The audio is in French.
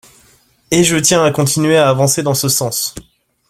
Et je tiens à continuer à avancer dans ce sens.